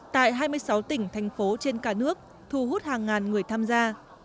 tại hai mươi sáu tỉnh thành phố trên cả nước thu hút hàng ngàn người tham gia